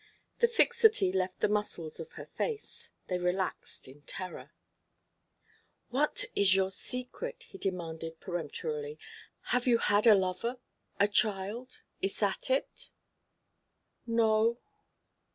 The fixity left the muscles of her face. They relaxed in terror. "What is your secret?" he demanded, peremptorily. "Have you had a lover a child? Is that it?" "No."